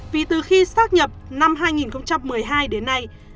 vì từ khi xác nhập năm hai nghìn một mươi hai đến nay